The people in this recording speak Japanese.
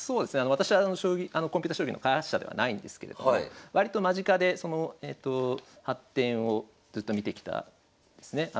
私コンピュータ将棋の開発者ではないんですけれども割と間近でその発展をずっと見てきたんですね。